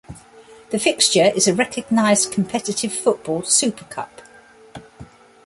The fixture is a recognised competitive football super cup.